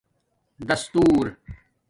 دَستݸر